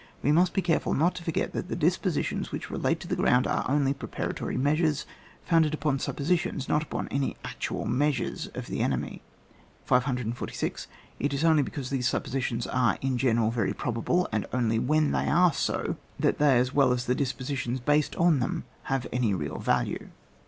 "We must be careful not to for get that the dispositions which relate to the ground are only preparatory measuret founded upon suppositions, not upon any actual measures of the enemy. 546. It is only because these supposi tions are in general very probable, and onli/ when they are so, that they as well as the dispositions based on them have any real value.